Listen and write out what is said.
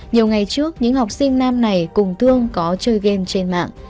nhiều ngày trước những học sinh nam này cùng thương có chơi game trên mạng